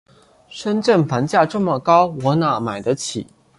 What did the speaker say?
深圳房价这么高，我哪儿买得起？